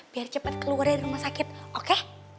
biar cepet keluar dari rumah sakit oke